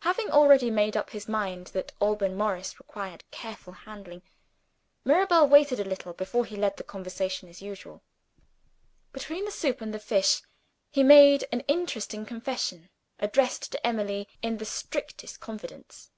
Having already made up his mind that Alban Morris required careful handling, Mirabel waited a little before he led the conversation as usual. Between the soup and the fish, he made an interesting confession, addressed to Emily in the strictest confidence.